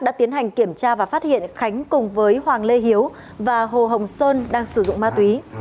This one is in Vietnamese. khi kiểm tra và phát hiện khánh cùng với hoàng lê hiếu và hồ hồng sơn đang sử dụng ma túy